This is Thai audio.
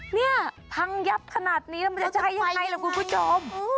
นี่ทางยับขนาดนี้มันจะใช้ยังไงเหรอคุณผู้ชม